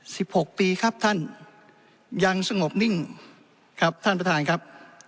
หกปีครับท่านยังสงบนิ่งครับท่านประธานครับ